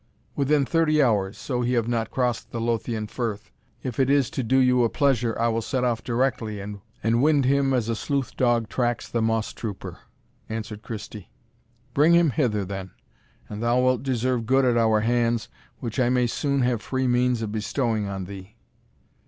"Within thirty hours, so he have not crossed the Lothian firth If it is to do you a pleasure, I will set off directly, and wind him as a sleuth dog tracks the moss trooper," answered Christie. "Bring him hither then, and thou wilt deserve good at our hands, which I may soon have free means of bestowing on thee."